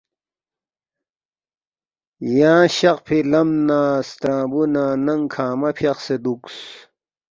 یانگ شقفی لم نہ سترانگبو نہ ننگ کھنگمہ فیاقسے دوکس